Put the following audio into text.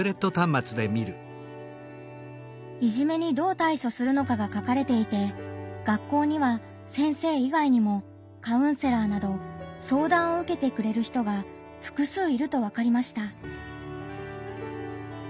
いじめにどう対処するのかが書かれていて学校には先生以外にもカウンセラーなど相談を受けてくれる人が複数いるとわかりました。